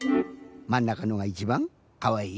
まんなかのがいちばんかわいい？